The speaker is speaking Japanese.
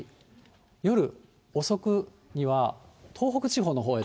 夜遅くには東北地方のほうへと。